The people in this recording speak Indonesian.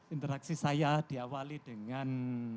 interaksi saya diawali dengan